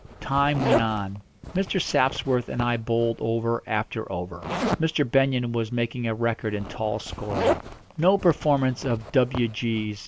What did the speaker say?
Time went on. Mr. Sapsworth and I bowled over after over. Mr. Benyon was making a record in tall scoring. No performance of "W. G.'